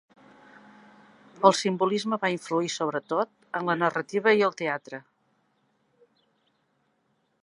El simbolisme va influir sobretot en la narrativa i el teatre.